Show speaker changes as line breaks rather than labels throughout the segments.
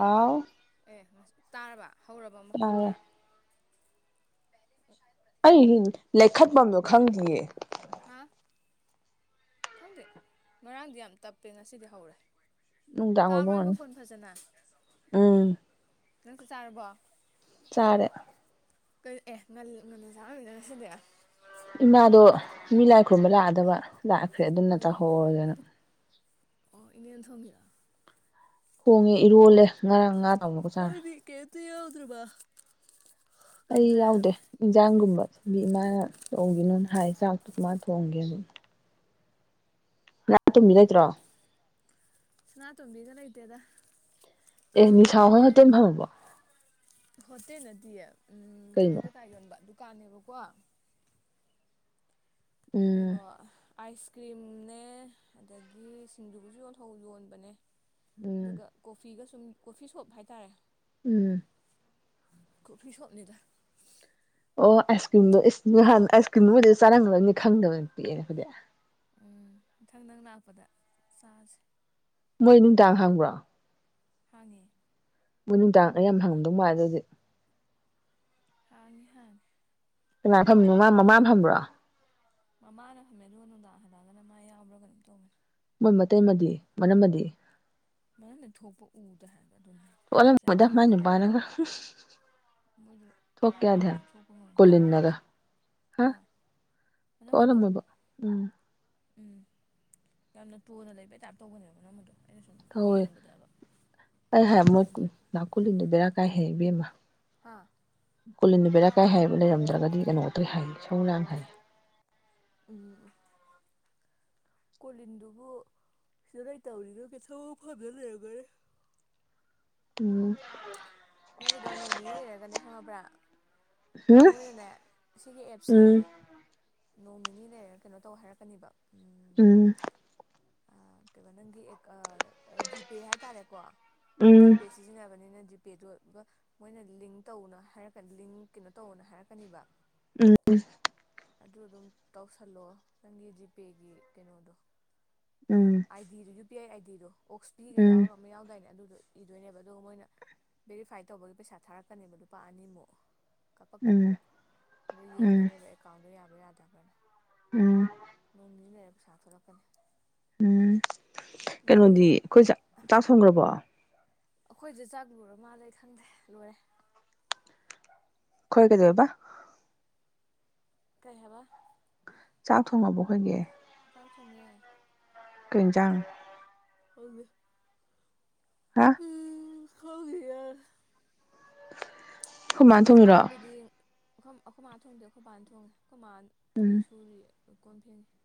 ꯍꯥꯎ
ꯑꯦ ꯇꯥꯔꯔꯕ ꯍꯧꯔꯕ ꯃꯈꯨꯟ ꯈꯔ
ꯑ ꯂꯦꯈꯠ ꯄꯝ ꯅ ꯈꯪꯈꯤꯌꯦ
ꯍꯥ ꯈꯪꯗꯦ ꯉꯔꯥꯡꯗꯤ ꯌꯥꯝ ꯇꯞꯄꯦ ꯉꯁꯤꯗꯤ ꯍꯧꯔꯦ
ꯅꯅꯨꯡꯗꯥ
ꯇꯥꯕ꯭ꯔꯣ
ꯑꯃꯣꯏꯕ
ꯑꯩ ꯃꯈꯣꯟ
ꯎꯝ
ꯅ ꯆ ꯆꯥꯔꯨꯔꯕꯣ
ꯆꯥꯔꯦ
ꯀ ꯑꯦ ꯉ ꯉꯟꯅ ꯆꯥꯔꯝꯃꯤꯗ ꯉ ꯁꯤꯗ
ꯏꯃꯥꯗꯣ ꯃꯤ ꯂꯥꯛ ꯈꯨꯝꯕ ꯂꯥꯛꯑꯗꯕ ꯂꯥꯛꯈ꯭ꯔꯦ ꯑꯗꯨꯝꯅ
ꯎꯝ
ꯇꯧꯍꯧꯗꯅ
ꯑꯣ ꯏꯟꯅ ꯊꯣꯡ
ꯍꯣꯡꯉꯦ ꯏꯔꯣꯜꯂꯦ ꯉꯔꯥꯡ ꯉꯥ ꯊꯥꯎꯃꯒ ꯆꯥꯔ
ꯇꯧꯗ꯭ꯔꯕꯥꯕꯥ
ꯑꯩ ꯌꯥꯎꯗꯦ ꯏꯟꯖꯥꯡꯒꯨꯝꯕ ꯃꯤ ꯏꯃꯥꯅ ꯇꯣꯡꯒꯤꯅꯣꯅ ꯍꯥꯏꯁꯦ ꯆꯥꯛꯇ ꯃꯥ ꯊꯣꯡꯒꯦ ꯑꯗꯨꯝ ꯉꯍꯥꯟ ꯇꯨꯝꯕꯤ ꯂꯩꯇ꯭ꯔꯣ
ꯁꯅꯥ ꯇꯣꯕꯤꯒꯅ ꯏꯗꯦꯗ
ꯑꯦꯅꯤ ꯆꯥ ꯍꯍ ꯇꯝ ꯐꯪꯣ
ꯍꯇꯩ ꯅꯗꯤꯌꯦ ꯎꯝ ꯀꯩꯅꯣ ꯀ ꯀꯥꯏꯣꯟꯕ ꯑꯗꯨ ꯀꯥꯅꯦꯕꯀꯣ
ꯎꯝ
ꯀꯩꯅꯣ ꯑꯥꯏꯁ ꯀ꯭ꯔꯤꯝꯅꯦ ꯑꯗꯒꯤ ꯁꯤꯡꯖꯨꯒꯁꯨ ꯌꯣꯟ ꯌꯣꯟꯕꯅꯦ
ꯎꯝ
ꯑꯗꯨꯒ ꯀꯣꯐꯤꯒ ꯁꯨꯝ ꯀꯣꯐꯤ ꯁꯣꯞ ꯍꯥꯏꯇꯥꯔꯦ
ꯎꯝ
ꯀꯐꯤ ꯁꯠꯂꯥ
ꯑꯣ ꯑꯥꯏꯁ ꯀ꯭ꯔꯤꯝꯗꯣ ꯅꯍꯥꯟ ꯑꯥꯏꯁ ꯀ꯭ꯔꯤꯝꯗꯨꯕꯨꯗꯤ ꯆꯥꯔꯝꯒꯗꯕꯅꯤ ꯈꯪꯗꯕꯅ ꯄꯤꯛꯑꯦ ꯍꯧꯗꯤ
ꯎꯝ ꯃꯊꯪ ꯅꯪ ꯂꯥꯛꯄꯗ ꯆꯥꯁꯦ
ꯃꯣꯏ ꯅꯨꯡꯗꯥꯡ ꯍꯪꯕ꯭ꯔꯣ
ꯐꯥꯡꯉꯤ
ꯃꯣꯏ ꯅꯨꯡꯗꯥꯡ ꯑꯩ ꯌꯥꯝ ꯍꯪꯗꯧ ꯃꯥꯜ ꯑꯗꯨꯖꯤꯗꯤ
ꯑꯅꯤ ꯍꯥꯏꯥꯟ
ꯀꯃꯥꯏ ꯐꯅꯣ ꯃꯃꯥ ꯐꯕ꯭ꯔꯣ
ꯃꯃꯥꯅ ꯐꯝꯃꯦ ꯑꯗꯨꯒ ꯅꯨꯡꯗꯥꯡ ꯍꯜꯂꯛꯑꯒꯅ ꯃꯥ ꯌꯥꯎꯕ꯭ꯔꯥ ꯀ ꯑꯗꯨꯝ ꯇꯧꯕꯅꯤ
ꯃꯣꯏ ꯃꯇꯩ ꯑꯃꯗꯤ ꯃꯅꯝꯃꯗꯤ
ꯃꯅꯤ ꯊꯨꯄ ꯎꯠ ꯍꯥꯏ
ꯂꯗ ꯃꯥꯅꯤ ꯄꯅꯒ
ꯃꯣꯏꯗꯣ
ꯊ ꯀꯌꯥ
ꯃꯅꯝꯃꯗꯣ
ꯊ
ꯀꯩꯁꯨ ꯊꯣꯛꯄ ꯉꯝꯗꯧ ꯃꯥꯟꯗꯦ
ꯀꯅꯒ ꯍꯥ ꯊꯂꯗ
ꯃꯅꯝꯃꯗꯣ
ꯎꯝ
ꯎꯝ ꯌꯥꯝꯅ ꯇꯨꯅ ꯂꯩꯕꯩ ꯇꯥꯏꯞ ꯇꯧꯕꯅꯦꯕ ꯅꯪ ꯃꯗꯣ
ꯍ ꯍꯦ ꯃꯛ
ꯌꯥꯝꯅ
ꯅꯅꯥ ꯀꯣꯂꯤꯕꯦꯔ ꯀꯥꯏ ꯍꯦ ꯕꯤꯃ
ꯍꯥꯥ꯫
ꯀꯣꯂꯤꯟꯕꯦꯔꯥꯀꯥꯏ ꯍꯥꯏꯕ ꯂꯩꯔꯝꯗ꯭ꯔꯒꯗꯤ ꯀꯩꯅꯣ ꯇꯧꯋꯦ ꯍꯥꯏꯌꯦ ꯏꯁꯧ ꯂꯥꯡꯉꯦ ꯍꯩꯏꯌꯦ꯫
ꯎꯝ꯫ ꯀꯣꯂꯤꯟꯗꯨꯕꯨ ꯁꯤꯗ ꯀꯩꯇꯧꯔꯤꯔꯣ ꯊꯕꯛ ꯐꯪꯗ ꯂꯩꯔꯝꯒꯅꯤ꯫
ꯎꯝ꯫
ꯅꯪꯒꯤꯗꯣ ꯅꯣꯡꯅꯤꯅꯤ ꯂꯩꯔꯒꯅꯦ ꯈꯪꯉꯕ꯭ꯔꯥ꯫
ꯍꯨꯝ
ꯃꯣꯏꯅꯅꯦ ꯁꯤꯒꯤ ꯑꯦꯞꯁꯦ꯫
ꯎꯝ
ꯅꯣꯡ ꯅꯤꯅꯤ ꯂꯩꯔꯒ ꯀꯩꯅꯣ ꯇꯧ ꯍꯥꯏꯔꯛꯀꯅꯦꯕ ꯎꯝ꯫
ꯎꯝ꯫
ꯑ ꯀꯩꯩꯕ ꯅꯪꯒꯤ ꯑꯦꯛꯀ ꯑ ꯖꯤꯄꯦ ꯍꯥꯏꯇꯥꯔꯦꯀꯣ꯫ ꯖꯤꯄꯦ
ꯎꯝ
ꯁꯤꯖꯤꯟꯅꯕꯅꯤꯅ꯫ ꯖꯤꯄꯦꯗꯣ꯫ [unintelligible] ꯃꯣꯏꯅ ꯂꯤꯡ ꯇꯧꯅ ꯍꯥꯏꯔꯛꯀꯅꯤ ꯂꯤꯡ ꯀꯩꯅꯣ ꯇꯧꯅ ꯍꯥꯏꯔꯛꯀꯅꯤꯕ꯫
ꯎꯝ꯫
ꯑꯗꯨ ꯑꯗꯨꯝ ꯇꯧꯁꯜꯂꯣ ꯅꯪꯒꯤ ꯖꯤꯄꯦꯒꯤ ꯀꯩꯅꯣꯗꯣ꯫ ꯑꯃ
ꯎꯝ
I D [unintelligible] U P I ꯑꯥꯏꯗꯤꯗꯣ꯫ ꯑꯣꯛꯁꯄꯤꯒ
ꯎꯝ
ꯌꯥꯎꯔꯒ ꯑꯃ ꯌꯥꯎꯗꯥꯏꯅꯦ ꯑꯗꯨꯗꯣ꯫ ꯏꯗꯣꯏꯅꯦꯕ ꯑꯗꯨꯒ ꯃꯣꯏꯅ ꯕꯦꯔꯤꯐꯥꯏ ꯇꯧꯕꯒꯤ ꯄꯩꯁꯥ ꯊꯥꯔꯛꯀꯅꯦꯕ ꯂꯨꯄꯥ ꯑꯅꯤꯃꯨꯛ꯫
ꯎꯝ ꯎꯝ
ꯀꯥꯞꯄꯛꯀꯗꯧꯕ ꯑꯗꯣ
ꯎꯝ
ꯌꯦꯡꯗꯣꯏꯅꯦꯕ ꯑꯦꯀꯥꯎꯟꯗꯣ ꯌꯥꯝ ꯌꯥꯗꯕ꯭ꯔꯅ꯫
ꯎꯝ
ꯅꯣꯡ ꯅꯤꯅꯤ ꯂꯩꯔ ꯄꯩꯁꯥ ꯊꯣꯔꯛꯀꯅꯤ꯫
ꯎꯝ꯫ ꯀꯩꯅꯣꯗꯤ ꯑꯩꯈꯣꯏ ꯆꯥꯛ ꯆꯥꯛ ꯊꯣꯡꯒ꯭ꯔꯕꯣ꯫
ꯑꯩꯈꯣꯏꯖꯦ ꯆꯥꯛꯂꯣꯏꯔ ꯃꯥꯜꯂꯦ ꯈꯪꯗ꯭ꯔꯦ ꯂꯣꯏꯔꯦ꯫
ꯈꯣꯏ ꯀꯩꯗꯧꯋꯦꯕ꯫
ꯀꯩꯍꯥꯏꯕ꯫
ꯆꯥꯛ ꯊꯣꯡꯉꯕꯣ ꯑꯩꯈꯣꯏꯒꯤ꯫
ꯊꯣꯡꯉꯦ꯫
ꯀꯩꯏꯟꯖꯥꯡ꯫
[unintelligible]
ꯍꯥ꯫
ꯈꯪꯗꯤꯌꯦ꯫
ꯈꯣꯏꯃꯥꯅ ꯊꯣꯡꯉꯤꯔꯣ
ꯁꯥꯇꯣꯝꯕꯤꯗꯤ꯫ ꯑꯈꯣꯏ ꯑꯩꯈꯣꯏ ꯃꯥ ꯊꯣꯡꯗꯦ ꯑꯩꯈꯣꯏꯕꯥꯥꯅ ꯊꯣꯡꯉꯦ꯫ ꯑꯩꯈꯣꯏꯃꯥꯟ ꯐꯤ ꯁꯨꯔꯤꯌꯦ꯫ ꯀꯣꯟ ꯐꯦꯡꯉꯤ꯫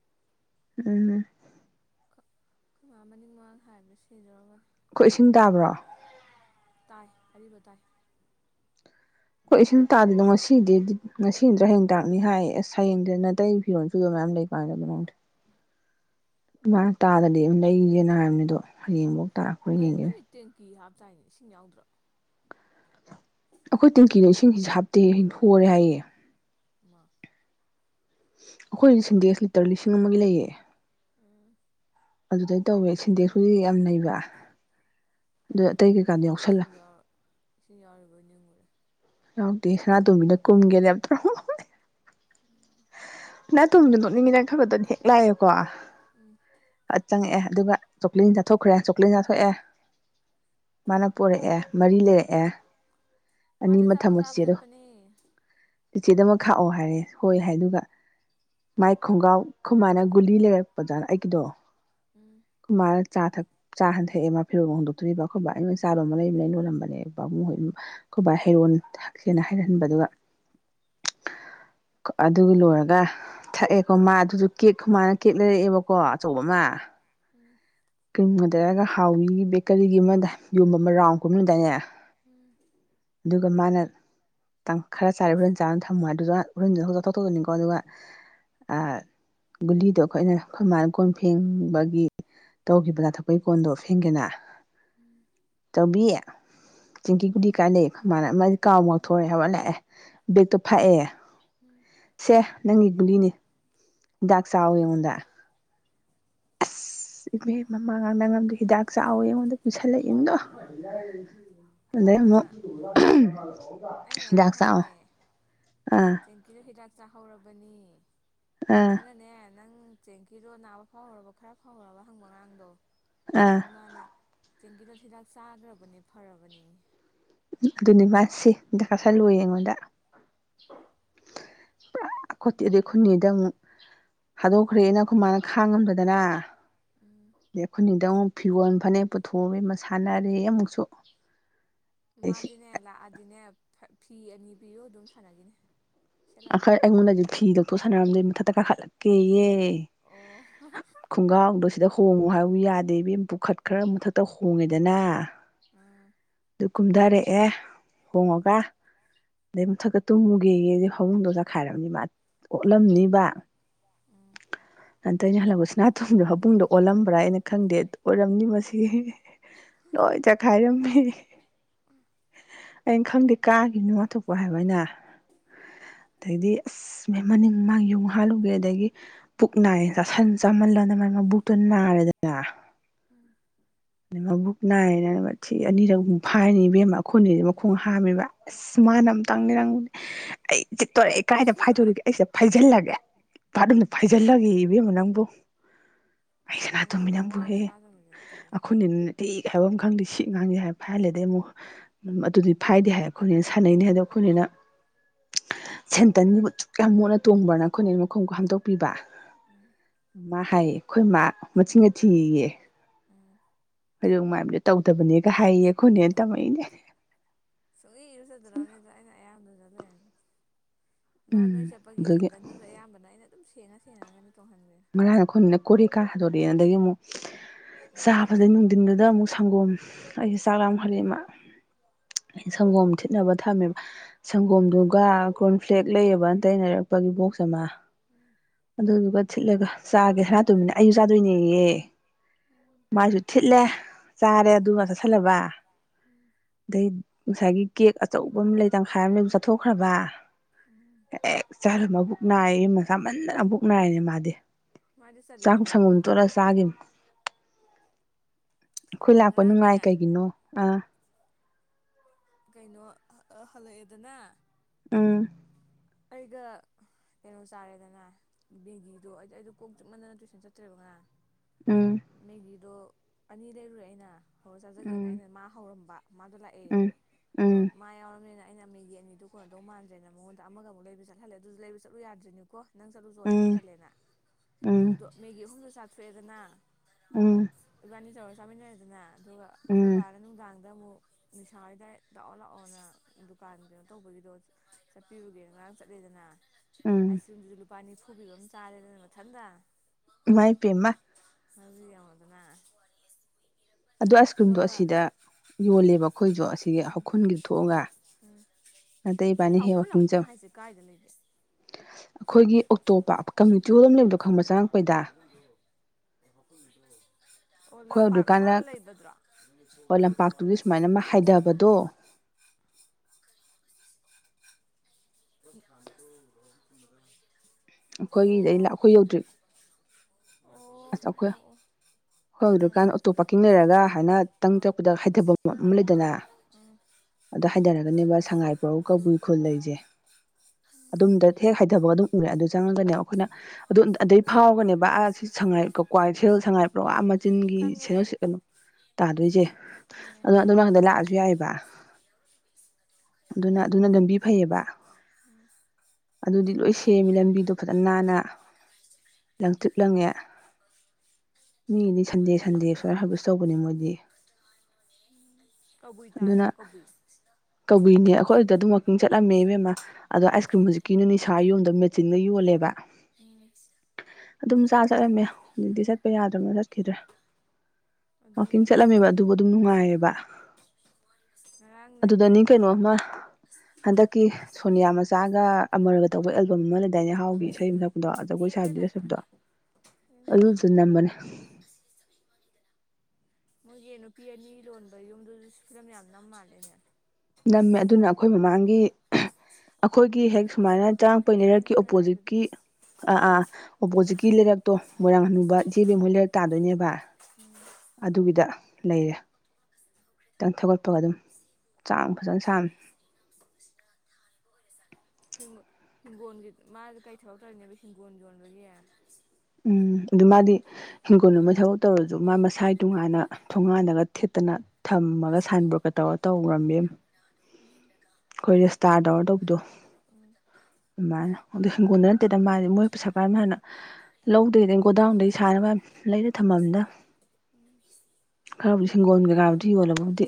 ꯎꯝ꯫
ꯑꯩꯈꯣꯏ ꯃꯅꯤꯡ ꯃꯔꯥꯡ ꯍꯥꯏꯕꯗꯨꯣ ꯁꯤꯗꯣꯏꯔꯕꯅꯤ
ꯑꯩꯈꯣꯏ ꯏꯁꯤꯡ ꯇꯥꯕ꯭ꯔꯣ
ꯇꯥꯏ ꯑꯔꯤꯕ ꯇꯥꯏ
ꯍꯣꯏ ꯏꯁꯤꯡ ꯇꯥꯗꯗꯣ ꯉꯁꯤꯗꯤ ꯉꯁꯤꯠꯇ꯭ꯔ ꯍꯌꯦꯡ ꯇꯥꯛꯅꯤ ꯍꯥꯏ ꯑꯁ ꯍꯌꯦꯡꯗ ꯅꯇꯩ ꯐꯤꯔꯣꯜ ꯆꯨꯗ ꯃꯌꯥꯝ ꯂꯩ ꯀꯥꯟꯗꯕ ꯅ ꯃꯥ ꯇꯥꯗꯗꯤ ꯑꯗꯨ ꯂꯩꯁꯦꯅ ꯍꯥꯏꯕꯅꯤꯗꯣ ꯍꯌꯦꯡꯐꯧ ꯇꯥꯛꯄ ꯌꯦꯡꯉꯦ
ꯀꯨ ꯀꯤ ꯍꯥꯞꯇꯥꯏꯅꯦ ꯏꯁꯤꯡ ꯌꯥꯎꯗ꯭ꯔꯥ
ꯑꯩꯈꯣꯏ ꯇꯦꯡꯀꯤꯗꯣ ꯏꯁꯤꯡꯁꯤꯁꯤ ꯍꯥꯞꯇꯦ ꯍꯣꯔꯦ ꯍꯥꯏꯌꯦ
ꯃꯥ
ꯑꯩꯈꯣꯏꯅ
ꯑꯦ
ꯁꯤꯡꯗꯦꯁ ꯂꯤꯇꯔ ꯂꯤꯁꯤꯡ ꯑꯃ ꯃ ꯂꯩꯌꯦ
ꯎꯝ
ꯑꯗꯨꯗꯩ ꯇꯧꯋꯦ ꯁꯤꯟꯗꯦꯛ ꯍꯧꯖꯤꯛ ꯌꯥꯝ ꯂꯩꯩꯕ
ꯑꯩꯗꯤ ꯇꯦꯡꯀꯤꯗꯣ ꯏꯁꯤꯡ ꯏꯁꯤꯡ ꯌꯥꯎꯔꯤꯕ ꯅꯤꯡꯉꯨꯔꯦ
ꯌꯥꯎꯗꯤ ꯉꯅꯥ ꯇꯣꯝꯕꯤꯅ ꯀꯨꯝꯒꯦꯅꯦꯕꯇ꯭ꯔꯣ
ꯎꯝ
ꯁꯅꯇꯣꯝꯕꯤ ꯁꯨ ꯅꯣꯛꯅꯤꯡꯉꯤꯅ ꯈꯕꯗꯣꯅ ꯍꯦꯛ ꯂꯥꯛꯑꯦꯀꯣ
ꯎꯝ
ꯑ ꯆꯪꯉꯛꯑꯦ ꯑꯗꯨꯒ ꯆꯣꯀ꯭ꯂꯦꯟ ꯆꯥꯊꯣꯛꯈ꯭ꯔꯦ ꯆꯣꯀ꯭ꯂꯦꯟꯠ ꯆꯥꯊꯣꯛꯑꯦ ꯃꯥꯅ ꯄꯣꯔꯛꯑꯦ ꯃꯔꯤ
ꯎꯝ
ꯂꯩꯔꯛꯑꯦ ꯑꯅꯤ
ꯃꯥꯗꯤ
ꯑꯃ
ꯑꯆꯥꯄꯣꯠ
ꯊꯝꯃꯣ
ꯆꯥꯕ
ꯆꯤꯆꯦꯗꯣ
ꯆꯠꯄꯅꯦ
ꯆꯤꯆꯦ ꯑꯃ ꯈꯥꯛꯑꯣ ꯍꯥꯏꯔꯦ ꯍꯣꯏ ꯍꯥꯏꯗꯨ ꯃꯥꯏ ꯈꯣꯡꯒ꯭ꯔꯥꯎ ꯈꯨꯃꯥꯏꯅ ꯒꯨꯂꯤ ꯂꯩꯔꯛꯄꯗꯅ ꯑꯩꯒꯤꯗꯣ
ꯎꯝ
ꯀꯨꯃꯔ ꯆꯥ ꯊ ꯆꯥ ꯍꯟꯊꯛꯑꯦ ꯑꯃ ꯐꯤꯔꯣꯜ ꯍꯣꯡꯗꯣꯛꯇꯣꯔꯤꯕ ꯈꯠꯕꯥ ꯑꯩꯉꯣꯟ ꯆꯥꯕ ꯑꯃ ꯂꯩꯕ ꯂꯩ ꯂꯣꯜꯂꯝꯕꯅꯦꯥꯕꯨꯡꯣꯏ ꯈꯣꯏ ꯍꯩꯔꯣꯟ ꯊꯛꯁꯦꯅ ꯍꯩꯍꯟꯕꯗꯨ ꯑꯗꯨ ꯂꯣꯏꯔꯒ ꯊꯛꯑꯦꯀꯣ ꯃꯥ ꯑꯗꯨꯁꯨ ꯀꯦꯛ ꯈꯨꯃꯥꯏꯅ ꯀꯦꯛ ꯂꯩꯔꯛꯑꯦꯕꯀꯣ ꯑꯆꯧꯕ ꯑꯃ
ꯃꯥꯅ
ꯀꯔꯤꯝꯒꯥ ꯇꯩꯇꯒꯥ ꯍꯥꯎꯏ ꯕꯦꯀꯔꯤꯒꯤ ꯑꯃꯗ ꯌꯨꯝꯕ ꯑꯃ ꯔꯥꯎꯟꯒꯨꯝꯕꯅꯗꯥꯏꯅꯦ
ꯑꯗꯨꯗꯨꯒ ꯌꯨꯒꯨꯝꯕ
ꯑꯗꯨꯒ ꯃꯥꯅ ꯈꯔ ꯆꯥꯔꯦ ꯍꯨꯔꯦꯟ ꯆꯥꯅ ꯊꯝꯃꯨ ꯍꯥꯏꯗꯨꯁꯨ ꯍꯣꯔꯦꯟꯗꯨꯇꯣꯛ ꯊꯇꯣꯛꯆꯅꯤꯀꯣ ꯑꯗꯨꯒ ꯑ ꯒꯨꯂꯤꯗꯣ ꯑꯩꯈꯣꯏꯅ ꯃꯥꯅ ꯀꯣꯟ ꯐꯦꯡꯕꯒꯤ ꯇꯧꯈꯤꯕꯗꯥ ꯊꯛꯄꯒꯤ ꯀꯣꯟꯗꯣ ꯐꯦꯡꯒꯦꯅ
ꯂꯥꯎꯕꯗꯨꯗꯅꯦ ꯊꯤ
ꯎꯕꯤ ꯆꯦꯡꯒꯤ ꯒꯨꯂꯤ ꯀꯥꯏ ꯂꯩ
ꯀꯥꯏꯅꯩꯑꯕ
ꯃꯥꯅ ꯃꯥ ꯀꯥꯎ ꯉꯥꯎꯊꯣꯔꯦ ꯍꯧꯋꯥꯠ ꯂꯥꯛꯑꯦ ꯕꯦꯛꯇꯣ ꯐꯛꯑꯦ
ꯉꯝꯃꯣꯏ ꯍꯥꯏꯕꯅꯦ ꯑꯦ
ꯁꯦ ꯅꯪꯒꯤ ꯒꯨꯂꯤꯅꯤ ꯍꯤꯗꯥꯛ ꯆꯥꯎꯋꯦ ꯑꯩꯉꯣꯟꯗ ꯑꯁ ꯏꯕ ꯃꯃꯥꯒꯥꯡ ꯅꯉꯗꯣ ꯍꯤꯗꯥꯛ ꯆ ꯆꯥꯎꯋꯦ ꯑꯩꯉꯣꯟꯗ ꯄꯨꯁꯜꯂꯛꯏꯗꯣ
ꯀꯩꯅꯣꯅ ꯑꯩꯅ
ꯑꯗ
ꯉꯔꯥꯡ
ꯁꯥ
ꯍꯪꯉꯦ
ꯑ
ꯆꯦꯡꯀꯤꯗꯣ ꯍꯤꯗꯥꯛ ꯆꯥꯍꯧꯔꯕꯅꯤ ꯑꯅꯅꯦ ꯅꯪ ꯆꯦꯡꯀꯤꯗꯣ ꯑꯅꯥꯕ ꯐꯥꯎꯍꯔꯕ ꯈꯔ ꯐꯥꯎꯍꯔꯕ ꯍꯪꯕ ꯑꯥꯡꯗꯣ
ꯑꯥ
ꯑꯗꯨ ꯃꯥꯅ ꯆꯦꯡꯒꯤꯗꯣ ꯍꯤꯗꯥꯛ ꯆꯥꯈ꯭ꯔꯕꯅꯦ ꯐꯔꯕ ꯑꯃꯅꯤꯅꯤ
ꯑꯗꯨꯅꯤ ꯃꯥꯁꯤꯗꯀꯁꯔ ꯂꯣꯏꯌꯦ ꯑꯩꯉꯣꯟꯗ ꯈꯣꯠꯇꯤ ꯑꯗꯨ ꯈꯨꯟꯅꯤꯗ ꯑꯃꯨꯛ ꯍꯥꯗꯣꯛꯈ꯭ꯔꯦꯅ ꯑꯩꯈ ꯃꯥꯅ ꯈꯥꯡꯉꯝꯕꯗꯅ
ꯎꯝ
ꯑꯗꯑꯩ ꯑꯈꯣꯏ꯫ ꯅꯦꯗꯥ ꯑꯃꯨꯛ ꯐꯤꯌꯣꯜ ꯐꯅꯦꯛ ꯄꯨꯊꯣꯛꯑꯦ ꯃꯁꯥꯟꯅꯔꯦ ꯑꯃꯨꯛꯁꯨ ꯑꯗꯩ
ꯃꯗꯤꯅꯦ ꯂꯛ ꯑꯗꯤꯅꯦ ꯐꯤ ꯑꯅꯤ ꯄꯤꯌꯣ ꯑꯗꯨꯝ ꯁꯥꯟꯅꯈꯤꯅꯤ ꯁꯦꯠꯂꯒ
ꯑꯩꯈꯣꯏ ꯑꯩꯉꯣꯟꯗꯗꯤ ꯐꯤꯗ ꯇꯣ ꯁꯥꯟꯅꯔꯝꯗꯦ ꯇꯊ ꯇ ꯀꯥ ꯈꯜꯂꯛ ꯀꯦ ꯌꯦ
ꯑꯣ
ꯈꯨꯡꯒꯧꯗꫭ ꯁꯤꯗ ꯍꯣꯡꯉꯨ ꯍꯥꯏꯕꯨ ꯌꯥꯗꯦ ꯏꯕꯦꯝ ꯄꯨꯈꯠ ꯈꯔ ꯃꯊꯛꯇ ꯍꯣꯡꯉꯦꯗꯅ
ꯎꯝ
ꯑꯗꯨ ꯀꯨꯝꯊꯔꯛꯑꯦ ꯍꯣꯡꯉꯒ ꯑꯗꯩ ꯃꯊꯛꯇ ꯇꯨꯝꯉꯨꯒꯦꯒꯗꯤ ꯐꯃꯨꯡꯗꯣ ꯆꯈꯥꯏꯔꯝꯅꯤꯕ ꯑꯣꯠꯂꯝꯅꯤꯕ
ꯎꯝ
ꯅꯟꯇ ꯑꯩꯅ ꯍꯜꯂꯛꯄ ꯁꯅꯥꯇꯨꯝꯗꯣ ꯍꯥꯕꯨꯡꯗꯣ ꯑꯣꯜꯂꯝꯕ꯭ꯔꯥ ꯑꯩꯅ ꯈꯪꯗꯦ ꯑꯣꯏꯔꯝꯅꯤ ꯃꯁꯤ ꯂꯣꯏ ꯆꯈꯥꯏꯔꯝꯃꯤ ꯑꯩꯅ ꯈꯪꯗꯦ ꯀꯥꯈꯤꯕꯅ ꯉꯊꯣꯛꯄ ꯍꯥꯏꯕꯅ ꯑꯗꯩꯗꯤ ꯑꯁ ꯃ ꯃꯅꯤꯡ ꯃꯥꯡ ꯌꯨꯝ ꯍꯥꯜꯂꯨꯒꯦ ꯑꯗꯒꯤ ꯄꯨꯛ ꯅꯥꯏ ꯆꯥꯁꯟ ꯆꯥꯃꯜꯂꯅ ꯃ ꯃꯕꯨꯛꯇꯨ ꯅꯥꯔꯦꯗꯅ
ꯎꯝ
ꯇꯤ ꯑꯅꯤꯔꯛ ꯃꯨꯛ ꯐꯥꯏꯔꯅꯤ ꯏꯕꯦꯝꯃꯥ ꯈꯨꯟꯅꯤꯁꯦ ꯃꯈꯣꯡ
ꯎꯝ
ꯍꯥꯝꯃꯦꯕ ꯑꯁ ꯁ ꯃꯥꯅ ꯑꯃꯝꯇꯪꯅꯤ ꯅꯪꯅꯦ ꯑꯩ ꯆꯤꯠꯇꯣꯔꯛꯑ ꯀꯥꯏꯗ ꯐꯥꯏꯗꯣꯔꯤꯒꯦ ꯑꯩ ꯁꯤꯗ ꯐꯩꯖꯜꯂꯒꯦ ꯕꯠꯔꯨꯝꯗ ꯄꯥꯏꯁꯤꯜꯂꯒꯦ ꯏꯕꯦꯝꯃꯣ ꯅꯪꯕꯨ ꯑꯩ
ꯉꯪꯅꯕ
ꯁꯅꯥꯇꯣꯝꯕꯤ
ꯌꯥꯝ ꯋꯥꯕꯅꯦ ꯁꯥꯅꯇꫭꯝꯕꯤꯖꯦ ꯇꯜꯂꯦ
ꯊꯒꯤ ꯐꯥꯏꯕꯝ ꯈꯪꯗꯦ ꯁꯤ ꯉꯥꯡꯗꯦ ꯍꯥꯏꯔ ꯐꯥꯏꯍꯜꯂꯦ ꯑꯗꯩ ꯑꯃꯨꯛ ꯑꯗꯨꯗꯤ ꯐꯥꯏꯗꯦ ꯍꯥꯏꯔ ꯑꯩꯈꯣꯏꯅꯤꯅ ꯁꯥꯟꯅꯩꯅꯦ ꯍꯥꯏꯗꯣ ꯑꯩꯈꯣꯏꯅꯦꯅ ꯁꯦꯟꯇꯟꯒꯤꯛ ꯌꯥꯝ ꯃꯣꯠꯅ ꯇꯣꯡꯕ꯭ꯔꯅ ꯑꯩꯈꯣꯏꯅꯅ ꯃꯈꯣꯡꯒ ꯍꯥꯝꯗꯣꯛꯄꯤꯕ
ꯎꯝ
ꯃꯥ ꯍꯥꯏꯌꯦ ꯑꯩꯈꯣꯏ ꯃꯥ ꯃꯆꯤꯟꯒ ꯊꯤꯌꯦ
ꯎꯝ
[unintelligible] ꯇꯧꯗꯕꯅꯦ ꯀ ꯍꯥꯏꯌꯦ ꯑꯈꫭꯏ
ꯎꯝ
ꯅꯦ ꯇꯃꯥꯛ ꯏꯅꯦ
ꯂꯨꯖꯥ ꯂꯩꯔꯥꯅꯤ ꯃꯥ ꯅꯣꯏ ꯆꯠꯄꯒꯤ
ꯑꯗꯨꯒꯤ
ꯁꯦꯟꯗꯟꯗꯨꯁꯨ ꯑꯌꯥꯝꯕꯅ ꯑꯩꯅ ꯑꯗꯨꯝ ꯁꯦꯡꯉꯥ ꯁꯦꯡꯉꯒꯅ
ꯃꯔꯥꯡꯈꯣꯏꯅ ꯀꯔꯤ ꯀꯥ ꯍꯥ ꯑꯗꯒꯤ ꯑꯃꯨꯛ
ꯁꯦꯟꯗꯩ ꯁꯪꯗ
ꯆꯥꯕꯗꯩ ꯅꯨꯡꯊꯤꯟꯗꯨꯗ ꯑꯃꯨꯛ ꯁꯪꯒꯣꯝ ꯑꯩꯁꯦ ꯆꯥꯛ ꯃꯈ ꯃꯈꯜ ꯑꯃ ꯁꯪꯒꯣꯝ ꯊꯤꯠꯅꯕ ꯊꯝꯃꯦꯕ ꯁꯪꯒꯣꯝꯗꯨꯒ ꯀꯣꯔꯟꯐ꯭ꯂꯦꯛ ꯂꯩꯌꯦꯕꯅ ꯇꯩꯅꯔꯛꯄꯒꯤ ꯕꯣꯛꯁ ꯑꯃ
ꯎꯝ
ꯑꯗꯨꯗꯨꯒꯥ ꯁꯤꯠꯂꯒ ꯆꯥꯒꯦ ꯁꯥꯔꯠꯇꯣꯃꯤꯅ ꯑꯩꯁꯨ ꯆꯥꯗꯣꯏꯅꯦꯌꯦ
ꯎꯝ
ꯃꯥꯏꯁꯨ ꯊꯤꯠꯂꯦ ꯆꯥꯔꯦ ꯑꯗꯨꯒ ꯆꯥꯁꯤꯜꯂꯕ
ꯎꯝ
ꯑꯗꯩ ꯉꯁꯥꯏꯒꯤ ꯀꯦꯛ ꯑꯆꯧꯕ ꯑꯃ ꯂꯩ ꯇꯪꯈꯥꯏ ꯑꯃ ꯂꯩꯕ ꯆꯥꯊꯣꯛꯈ꯭ꯔꯕ
ꯎꯝ
ꯍꯦꯛ ꯆꯥꯔ ꯃꯕꯨꯛ ꯅꯥꯏꯌꯦꯨꯝ ꯃ ꯆꯥꯃꯟꯗꯅ ꯕꯨꯛ ꯅꯥꯏꯅꯦ ꯃꯥꯗꯤ
ꯃꯥꯗꯤ ꯆꯜꯂꯦ
ꯆꯥꯛ
ꯑꯗꯨꯝ
ꯁꯪꯒꯣꯝ
ꯑꯗꯣ
ꯇꯣꯠꯂ ꯆꯥꯒꯤꯃꯤ ꯑꯩꯈꯣꯏ ꯂꯥꯛꯄ
ꯉꯔꯥꯡꯅꯦ
ꯅꯨꯡꯉꯥꯏ ꯀꯩꯒꯤꯅꯣ ꯑ
ꯀꯩꯅꯣ ꯍꯜꯂꯛꯑꯦꯗꯅ
ꯑꯝ
ꯑꯩꯒ ꯀꯩꯅꯣ ꯆꯥꯔꯦꯗꯅ ꯕꯦꯡꯗꯤꯗꯣ ꯑꯩꯗ ꯑꯩꯗꯣ ꯀꯣꯛ ꯆꯞꯅꯗꯅ ꯇꯨꯏꯁꯟ ꯆꯠꯇ꯭ꯔꯦꯕ ꯉꯔꯥꯡ
ꯎꯝ
ꯅꯒꯤꯗꯗꯨ ꯑꯅꯤ ꯂꯩꯔꯨꯔꯦ ꯑꯩꯅ ꯍ ꯆꯥꯖꯒꯦꯅ
ꯎꯝ
ꯑꯩꯅ ꯃꯥ ꯍꯧꯔꯝꯕ ꯃꯥꯗꯣ ꯂꯥꯛꯑꯦ
ꯎꯝ
ꯑꯗꯣ
ꯎꯝ
ꯃꯥ ꯌꯥꯎꯔꯕꯝꯅꯤꯅ ꯑꯩꯅ ꯃꯤꯗꯤ ꯑꯅꯤꯗꯨ ꯀꯩꯅꯣꯗꯧ ꯃꯥꯟꯗ꯭ꯔꯦꯅ ꯃꯉꯣꯟꯗ ꯑꯗ ꯑꯃꯒ ꯑꯃꯨꯛ ꯂꯩꯕ ꯆꯠꯍꯜꯂꯦ ꯑꯗꯨꯁꯨ ꯂꯩꯕ ꯆꯠꯂꯨ ꯌꯥꯗ꯭ꯔꯤꯅꯤꯀꯣ ꯅꯪ ꯆꯠꯂꯨ ꯆꯣꯟꯅ ꯍꯥꯏ
ꯎꯝ
ꯇꯜꯂꯦꯅ
ꯎꯝ
ꯑꯗꯣ ꯃꯦꯒꯤ ꯑꯍꯨꯝꯁꯨ ꯆꯥꯛ ꯐꯦꯗꯅ
ꯑ
ꯆꯅꯤ ꯆꯔ ꯆꯥꯃꯤꯅꯦ ꯑꯗꯨꯅ ꯑꯗꯨꯒ ꯑꯩꯈꯣꯏ ꯕꯥꯔ ꯅꯨꯡꯗꯥꯡ ꯑꯗ ꯑꯃꯨꯛ ꯅꯤꯁꯥ ꯍꯗꯏ ꯂꯥꯛꯑꯣ ꯂꯥꯛꯑꯣꯅ ꯗꯨꯀꯥꯟ ꯀꯩꯅꯣ ꯇꯧꯕꯒꯤꯗꯣ ꯆꯠꯄꯤꯔꯨꯒꯦ ꯉꯔꯥꯡ ꯆꯠꯂꯦꯗꯅ
ꯎꯝ
ꯑꯁ ꯄꯅꯤ ꯐꯨꯄꯤꯒ ꯆꯥꯔꯦꯅ ꯊ
ꯃꯥꯏ ꯄꯦꯃ
ꯃ ꯃ ꯑꯗꯨꯅ
ꯑꯣ ꯑꯥꯏꯁ ꯀ꯭ꯔꯤꯝꯗꯣ ꯑꯁꯤꯗ ꯌꯣꯜꯂꯦꯕ ꯑꯩꯈꯣꯏꯁꯨ
ꯎꯝ
ꯍꯧꯈꯨꯜꯒꯤꯗ ꯊꯣꯛꯑꯒ
ꯎꯝ
ꯑꯗꯩ
ꯅꯣꯏ
ꯏꯕꯥꯅꯤ ꯍꯦꯛ
ꯍꯧꯥꯎꯈꯨꯜ
ꯋꯥꯛꯀꯤꯡ ꯆꯠ
ꯍꯥꯎꯈꯨꯟ ꯍꯥꯏꯁꯦ ꯀꯥꯏꯗ ꯂꯩꯒꯦ
ꯑꯩꯈꯣꯏꯒꯤ ꯑꯇꯣꯞꯄ ꯀꯝꯃ꯭ꯌꯨꯅꯤꯇꯤ ꯍꯣꯜ ꯑꯃ ꯂꯩꯕꯣ ꯈꯪꯕ ꯆꯪꯉꯛꯄꯩꯗ
ꯍ ꯌꯦꯗ ꯂꯩ ꯑꯣ
ꯑꯩꯈꯣꯏ
ꯂꯝꯄꯥꯛ ꯑꯃ
ꯌꯧꯗ꯭ꯔꯤꯀꯥꯟꯗ
ꯂꯩꯒꯗ꯭ꯔꯥ
ꯍꯣꯏ ꯂꯝꯄꯥꯛꯇꯨꯒꯤ ꯁꯨꯃꯥꯏꯅ ꯑꯃ ꯍꯥꯏꯊꯕꯗꯣ
[unintelligible]
ꯑꯩꯈꯣꯏꯒꯤꯗ ꯑꯩꯈꯣꯏ ꯌꯧꯗ꯭ꯔꯤ
ꯑꯣ
ꯑꯁ ꯑꯩꯈꯣꯏ
ꯑꯣ ꯑꯣ
ꯑꯩꯈꯣꯏ ꯑꯗꯨ ꯑꯗꯨꯀꯥꯟꯗ ꯑꯣꯇꯣ ꯄꯥꯔꯀꯤꯡ ꯂꯩꯔꯒ ꯍꯥꯏꯅ ꯇꯪ
ꯑꯥ
ꯆꯔꯛꯄꯗ ꯍꯥꯏꯊꯕ ꯑꯃ ꯂꯩꯗꯅ ꯑꯗꯨꯗ ꯍꯥꯏꯊꯔꯒ ꯑꯗꯨꯅꯦꯕ ꯁꯉꯥꯏꯄ꯭ꯔꯧ ꯀꯕꯨꯏ ꯈꯨꯜ ꯂꯩꯁꯦ
ꯎꯝ
ꯑꯗꯨꯝꯗ ꯍꯦꯛ ꯍꯥꯏꯊꯕ ꯑꯗꯨꯝ ꯎꯔꯦ ꯑꯗꯨ ꯆꯪꯉꯒꯅꯦꯕ ꯑꯩꯈꯣꯏꯅ ꯑꯗꯨ ꯑꯗꯩ ꯐꯥꯎꯔꯒꯅꯦꯕ ꯑ ꯁꯉꯥꯏ ꯀ꯭ꯋꯥꯏꯊꯦꯜ ꯁꯉꯥꯏ ꯄ꯭ꯔꯣꯒꯝ ꯑꯃ ꯆꯤꯟꯒꯤ ꯁꯅ
ꯈꯪꯉꯦꯍꯦ
ꯁꯤꯠ ꯀꯅꯨ ꯇꯥꯗꯣꯏꯁꯦ
ꯈꯪꯉꯦ
ꯑꯣ ꯑꯗꯨꯝ ꯂꯗ ꯂꯥꯛꯑꯁꯨ ꯌꯥꯏꯑꯕ ꯑꯗꯨꯅ ꯑꯗꯨꯅ ꯂꯝꯕꯤ ꯐꯩꯌꯦꯕ
ꯎꯝ
ꯑꯗꯨꯗꯤ ꯂꯣꯏ ꯁꯦꯝꯃꯤ ꯂꯝꯕꯤꯗꯣ ꯐꯖꯅ ꯅꯥꯟꯅ ꯂꯪꯆꯤꯨꯞ ꯂꯪꯉꯦ ꯃꯤꯒꯤꯗꯤ ꯁꯟꯗꯦ ꯁꯟꯗꯦ ꯁꯨꯃꯥꯏꯅ ꯍꯥꯏꯚꯤꯁꯁ ꯇꯧꯕꯅꯤ ꯃꯣꯏꯗꯤ
ꯀꯕꯨꯏ
ꯑꯗꯨꯅ
ꯇꯥꯔꯤꯔꯣ ꯀꯕꯨꯏ
ꯇꯧꯕꯤꯅꯦ ꯑꯩꯈꯣꯏꯗ ꯑꯗꯨꯝꯃꯛ ꯏꯤꯡ ꯆꯠꯂꯝꯃꯦ ꯏꯕꯦꯝꯃ ꯑꯗꯣ ꯑꯥꯏꯁ ꯀ꯭ꯔꯤꯝ ꯍꯧꯖꯤꯛꯀꯤꯅ ꯅꯤ ꯁꯥꯔ ꯌꯣꯟꯕꯗꯣ ꯃꯦꯆꯤꯟꯅ ꯌꯣꯜꯂꯦꯕ
ꯏꯪꯂꯤꯁ
ꯑꯗꯨꯝ ꯆꯥ ꯆꯠꯂꯝꯝꯃꯦ ꯑꯗꯨ ꯇꯨꯏꯁꯟ ꯆꯠꯄ ꯌꯥꯗ꯭ꯔꯕꯅ ꯆꯠꯈꯤꯗ꯭ꯔꯦ
ꯑꯗꯨ
ꯋꯥꯛꯀꯤꯡ ꯆꯠꯂꯝꯃꯦꯕ ꯑꯗꯨꯕꯨ ꯑꯗꯨꯝ ꯅꯨꯡꯉꯥꯏꯌꯦꯕ ꯕꯥ
ꯉꯔꯥꯡꯅ
ꯑꯗꯨꯗꯅꯤ
ꯏꯆꯟ
ꯀꯩꯅꯣꯝꯃ ꯍꯟꯗꯛꯀꯤ ꯁꯣꯅꯤꯌꯥ ꯃꯆꯥꯒ ꯑꯃꯔꯒ ꯇꯧꯕ ꯑꯦꯜꯕꯝ ꯑꯃ ꯂꯩꯗꯥꯏꯅꯦ ꯍꯥꯎꯒꯤ ꯏꯁꯩ ꯃꯊꯛ ꯗꯣ ꯖꯒꯣꯏ
ꯌꯦꯡꯗꯦꯗ
ꯁꯥꯕꯤꯗꯣ
ꯑꯩꯈꯣꯏ
ꯁꯨꯠꯇꯣ [inaudible]
ꯌꯦꯡꯗꯦ ꯃꯣꯏꯒꯤ ꯅꯨꯄꯤ ꯑꯅꯤ ꯂꯣꯟꯕ ꯌꯨꯝꯗꯨꯗꯁꯨ ꯐꯤꯂꯝ ꯌꯥꯝ ꯅꯝ ꯃꯥꯜꯂꯦꯅꯦ
ꯅꯝꯃꯦ ꯑꯗꯨꯅ ꯑꯩꯈꯣꯏ ꯃꯃꯥꯡꯒꯤ ꯑꯩꯈꯣꯏꯒꯤ ꯍꯦꯛ ꯁꯨꯃꯥꯏꯅ ꯆꯪꯉꯛꯄꯩ
ꯈꯪꯉꯦꯍꯦ
ꯂꯩꯔꯛꯀꯤ
ꯅꯪꯅ ꯍꯥꯏꯗꯨꯗꯤ
ꯑꯣꯄꯣꯖꯤꯠꯀꯤ ꯑꯥ ꯑꯥ ꯑꯣꯄꯣꯖꯤꯠꯀꯤ ꯂꯩꯔꯛꯇꯣ ꯃꯣꯏꯔꯥꯡ ꯍꯅꯨꯕ
ꯎꯝ
ꯏꯆꯦ ꯕꯦꯝꯃ ꯍꯣꯏ ꯂꯩꯔꯛ ꯇꯥꯗꯣꯏꯅꯦꯕ
ꯎꯝ
ꯑꯗꯨꯒꯤꯗ ꯂꯩꯔꯦ ꯈꯤꯇꯪ ꯊꯧꯒꯠꯄꯒ ꯑꯗꯨꯝ ꯆꯥꯡ ꯐꯖꯅ ꯁꯃꯦ
ꯍꯤꯡꯒꯣꯜꯒꯤ ꯃꯥꯁꯨ ꯀꯩ ꯊꯕꯛꯇꯧꯔꯤꯅꯦꯕ ꯍꯤꯡꯒꯣꯜ ꯌꯣꯟꯕꯒꯤ
ꯎꯝ ꯑꯗꯨ ꯃꯥꯗꯤ ꯍꯤꯡꯈꯣꯜ ꯑꯃ ꯊꯕꯛ ꯇꯧꯔꯁꯨ ꯃꯥ ꯃꯁꯥꯏ ꯇꯣꯉꯥꯟꯅ ꯊꯣꯡꯒꯥꯜꯗꯒ ꯊꯦꯠꯇꯅ ꯊꯝꯃꯒ ꯁꯥꯏꯟꯕꯣꯔꯠꯀ ꯇꯧꯔ ꯇꯧꯔꯝꯃꯦ ꯀꯣ ꯀꯥꯔꯗꯧꯔ ꯇꯧꯕꯤꯗꯣ ꯑꯃꯥꯏꯅ ꯑꯗꯨ ꯍꯤꯡꯒꯣꯜꯗ ꯅꯠꯇꯦꯅ ꯃꯥꯗꯤ ꯃꯣꯏ ꯄꯩꯁꯥ ꯄꯥꯏꯔꯝ ꯃꯥ ꯍꯥꯏꯅ ꯂꯧꯗꯣꯏꯅꯦ ꯒꯣꯗꯥꯎꯟꯗꯒꯤ ꯁꯥꯟꯅꯕ ꯂꯩꯔ ꯊꯝꯃꯝꯅꯤꯅ ꯈꯔꯕꯨꯗꯤ ꯁꯤꯡꯒꯣꯟꯒꯔꯦ ꯌꯥꯥꯎ ꯑꯗꯨ ꯌꯣꯜꯂꯕꯕꯨꯗꯤ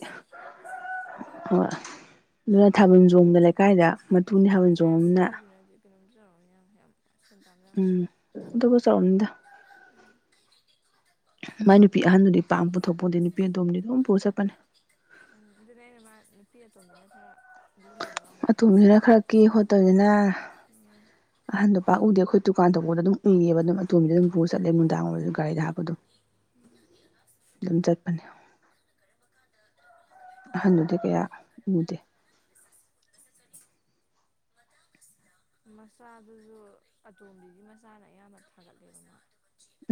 ꯍꯣꯏ ꯑꯗꯨꯅ ꯊꯥꯕꯜ ꯆꯣꯡꯕꯗ ꯂꯩꯀꯥꯏꯗ ꯃꯇꯨꯅꯤ ꯊꯥꯕꯜ
ꯄꯩꯁꯥ ꯌꯥꯝ
ꯆꯣꯡꯉꯕꯅꯤꯅ
[unintelligible] ꯇꯥꯟꯕ ꯌꯥꯝ
ꯎꯝ
ꯍꯩ
ꯑꯗꯕꯨ ꯆꯥꯎꯅꯤꯗ ꯃꯥꯏ ꯅꯨꯄꯤ ꯑꯍꯟꯗꯨꯗꯤ ꯄꯥꯛꯅ ꯄꯨꯊꯣꯛꯄꯣꯟꯇꯦ ꯅꯨꯄꯤ ꯑꯇꯣꯝꯕꯤꯗꯨꯗꯤ ꯑꯗꯨꯝ ꯄꯨꯔ ꯆꯠꯄꯅꯦ
ꯎꯝ ꯑꯗꯨꯅꯦꯃ ꯅꯨꯄꯤ ꯑꯇꯣꯝꯕꯤꯅ ꯈꯔ ꯂꯨꯝꯅ ꯂꯧꯔꯝꯒꯅꯤ ꯍꯥꯏꯁꯦ
ꯑꯇꯣꯝꯕꯤꯅ ꯈꯔ ꯀꯦ ꯈꯣꯠꯇꯧꯕꯅꯤꯅ ꯑꯍꯟꯗꯣ ꯄꯥꯛ ꯎꯗꯦ ꯑꯩꯈꯣꯏ ꯗꯨꯀꯥꯟ ꯇꯧꯕꯗ ꯑꯗꯨꯝ ꯎꯏꯌꯦꯕ ꯑꯗꯨꯝ ꯑꯇꯣꯝꯗꯤ ꯑꯗꯨꯝ ꯄꯨꯔ ꯆꯠꯂꯦ ꯅꯨꯡꯗꯥꯡ ꯑꯣꯏꯔꯁꯨ ꯒꯥꯔꯤꯗ ꯍꯥꯞꯄ ꯑꯗꯨꯝ ꯑꯗꯨꯝ ꯆꯠꯄꯅꯦ ꯑꯍꯟꯗꯨꯗꯤ ꯀꯌꯥ ꯎꯗꯦ
ꯃꯆꯥꯗꯨꯁꯨ ꯑꯇꯣꯝꯕꯤꯒꯤ ꯃꯆꯥꯅ ꯑꯌꯥꯝꯕ ꯊꯥꯒꯠꯂꯦꯕꯅ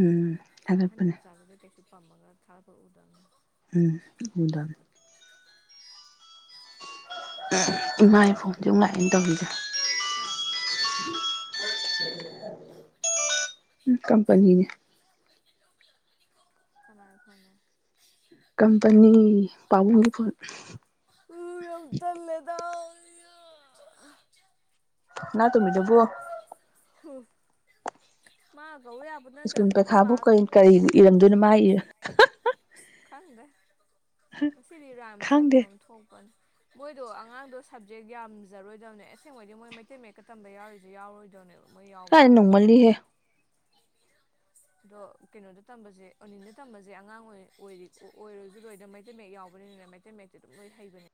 ꯎꯝ ꯑꯌꯣꯛꯄꯅꯦ
ꯄꯝꯃꯒꯥ ꯊꯥꯕ ꯎꯗꯅ
ꯎꯝ ꯎꯗꯝꯅꯤ ꯏꯃꯥꯒꯤ ꯐꯣꯟꯖꯦ ꯑꯃꯨꯛ ꯂꯥꯛꯑꯦꯅꯦ ꯇꯧꯔꯤꯁꯦ
ꯍꯥꯥ
ꯀꯝꯄꯅꯤꯅꯤ
ꯀ ꯑꯩꯈꯣꯟꯅ
ꯀꯝꯄꯅꯤ ꯄꯥꯎꯨꯡꯒ ꯐꯣꯟꯣꯟ
ꯎ ꯌꯥꯝ ꯇꯜꯂꯦꯗ [unintelligible]
ꯅ ꯇꯃꯤ ꯂꯕꯨꯣ
ꯃꯥ ꯀꯧ ꯌꯥꯕ ꯅꯠꯇꯦ
ꯁ꯭ꯀꯨꯜ ꯄꯦ
ꯑꯩꯈꯣꯏ ꯕꯥ
ꯈꯥꯕꯕꯨ ꯀ ꯀ ꯏꯔ ꯑꯗꯨꯅꯃ
ꯈꯪꯗꯦ ꯁꯤꯔꯤꯔꯥꯝꯁꯤꯂ
ꯈꯪꯗꯦ
ꯀꯩꯅꯣꯝ ꯊꯣꯛꯄꯅꯤ ꯃꯣꯏꯗꯣ ꯑꯉꯥꯡꯗꯣ ꯁꯕꯖꯦꯛ ꯌꯥꯝꯖꯔꯣꯏꯗꯕꯅꯦ ꯑꯁꯦꯡꯕꯩꯗꯤ ꯃꯣꯏ ꯃꯩꯇꯩ ꯃꯌꯦꯛꯀ ꯇꯝꯕ ꯌꯥꯎꯔꯤꯁ ꯌꯥꯎꯔꯣꯏꯗꯧꯅꯦꯕ
ꯀꯥꯏ ꯅꯅꯨꯡꯃꯂꯤꯍꯦ
ꯑꯗꯣ ꯀꯩꯅꯣꯗ ꯇꯝꯕꯁꯦ ꯑꯣꯅꯤꯟꯗ ꯇꯝꯕꯁꯦ ꯑꯉꯥꯡ ꯑꯣꯏꯔꯤ ꯑꯣꯏꯔꯣꯏꯁꯨ ꯂꯣꯏꯗ ꯃꯩꯇꯩ ꯃꯌꯦꯛ ꯌꯥꯎꯕꯅꯤꯅꯤꯅ ꯃꯩꯇꯩ ꯃꯌꯦꯛꯛꯇꯤ ꯑꯗꯨꯝ ꯂꯣꯏ ꯍꯩꯕꯅꯦ